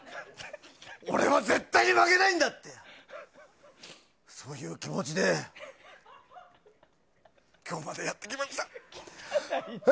俺は、絶対に負けないんだってねそういう気持ちで今日までやってきました。